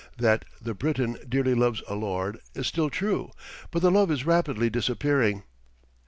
That "the Briton dearly loves a lord" is still true, but the love is rapidly disappearing.